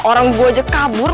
orang gue aja kabur